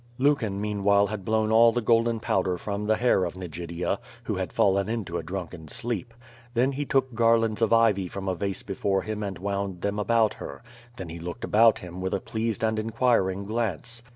Lucan meanwhile had blown all the golden powder from the hair of Nigidia, who had fallen into a drunken sleep. Then he took garlands of ivy from a vase before him and wound them about her. Then he looked about him with a pleased and inquiring glance.